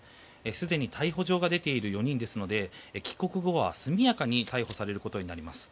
すでに逮捕状が出ている４人ですので帰国後は速やかに逮捕されることになります。